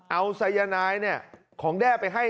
เอาทรายไนซ์เนี่ยของแด้ไปให้